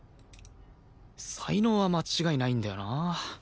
才能は間違いないんだよなあ